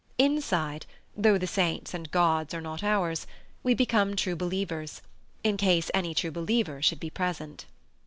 Inside, though the saints and gods are not ours, we become true believers, in case any true believer should be present.